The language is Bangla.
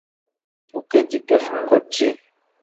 তোকে জিজ্ঞেস করছি।